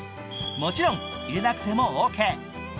もちろん、入れなくてもオーケー。